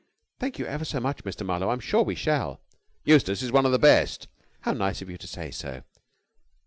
"Thank you ever so much, Mr. Marlowe. I'm sure we shall." "Eustace is one of the best." "How nice of you to say so."